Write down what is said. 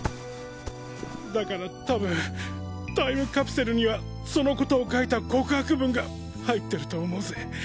だから多分タイムカプセルにはそのことを書いた告白文が入ってると思うぜ。